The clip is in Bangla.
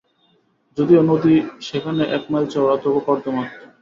যদিও নদী সেখানে এক মাইল চওড়া, তবু কর্দমাক্ত।